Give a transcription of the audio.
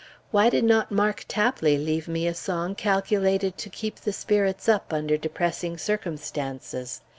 Why did not Mark Tapley leave me a song calculated to keep the spirits up, under depressing circumstances?